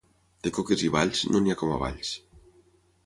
De coques i balls, no n'hi ha com a Valls.